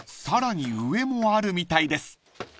［さらに上もあるみたいです］